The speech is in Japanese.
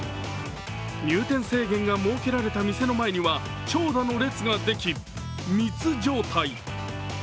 入店制限が設けられた店の前には長蛇の列ができ、密状態。